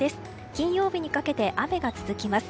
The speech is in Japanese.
金曜日にかけて雨が続きます。